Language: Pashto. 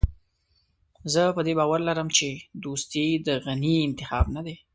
زه په دې باور لرم چې دوستم د غني انتخاب نه دی.